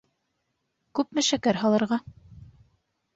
Күпме шәкәр һалырға?